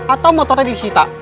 atau motornya disita